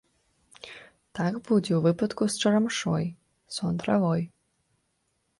Так будзе ў выпадку з чарамшой, сон-травой.